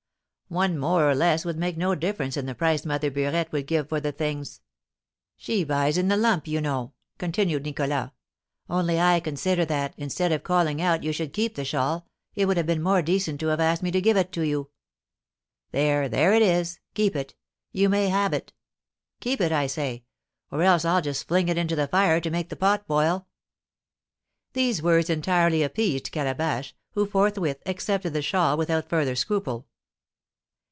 One more or less would make no difference in the price Mother Burette would give for the things; she buys in the lump, you know," continued Nicholas; "only I consider that, instead of calling out you should keep the shawl, it would have been more decent to have asked me to give it you. There there it is keep it you may have it; keep it, I say, or else I'll just fling it into the fire to make the pot boil." These words entirely appeased Calabash, who forthwith accepted the shawl without further scruple.